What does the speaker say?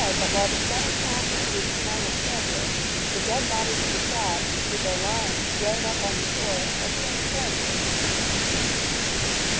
42/ while the sun is passing through the sign of Cancer, the dead bodies of the crabs, which are lying thrown up on the shore, are transformed into serpents.